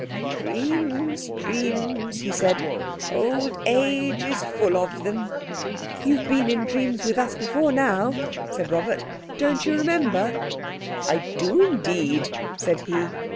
"Dreams, dreams!" he said; "old age is full of them!" "You've been in dreams with us before now," said Robert, "don't you remember?" "I do, indeed," said he.